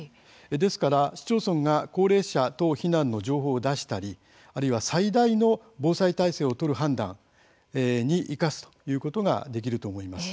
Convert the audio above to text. ですから市町村が高齢者等避難の情報を出したりあるいは最大の防災体制を取る判断に生かすことができると思います。